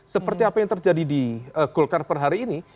seperti apa yang terjadi di golkar per hari ini